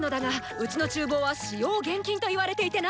うちの厨房は使用厳禁と言われていてな！